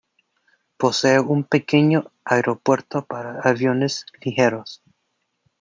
Posee un pequeño aeropuerto para aviones ligeros.